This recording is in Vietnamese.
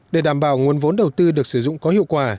để đảm bảo nguồn vốn đầu tư được sử dụng có hiệu quả